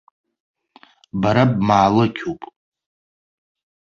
Бара бмаалықьуп!